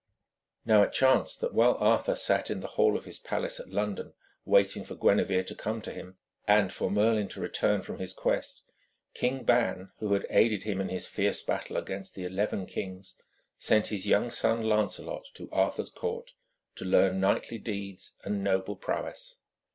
Now, it chanced that while Arthur sat in the hall of his palace at London, waiting for Gwenevere to come to him, and for Merlin to return from his quest, King Ban, who had aided him in his fierce battle against the eleven kings, sent his young son Lancelot to Arthur's court, to learn knightly deeds and noble prowess.